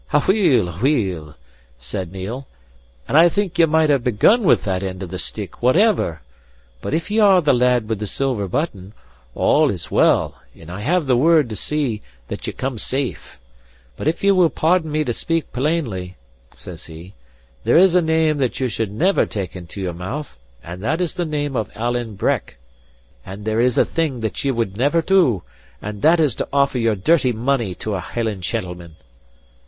"Aweel, aweel," said Neil; "and I think ye might have begun with that end of the stick, whatever! But if ye are the lad with the silver button, all is well, and I have the word to see that ye come safe. But if ye will pardon me to speak plainly," says he, "there is a name that you should never take into your mouth, and that is the name of Alan Breck; and there is a thing that ye would never do, and that is to offer your dirty money to a Hieland shentleman."